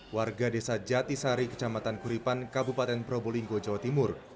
warga desa jatisari kecamatan kuripan kabupaten probolinggo jawa timur